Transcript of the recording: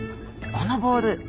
このボール